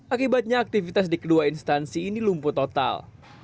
akibatnya aktivitas di kedua instansi ini lumpuh total